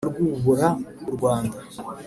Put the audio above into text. urarwubura u rwanda.